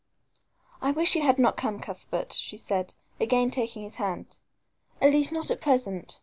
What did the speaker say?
"I wish you had not come, Cuthbert," she said, again taking his hand, "at least not at present.